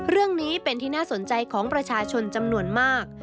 เรื่องนี้เป็นที่น่าสนใจของประชาชนจำนวนมาก